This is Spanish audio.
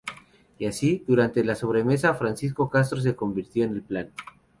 Y así, durante la sobremesa, Francisco Castro se convirtió en el plan.